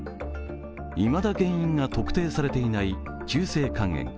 いまだ原因が特定されていない急性肝炎。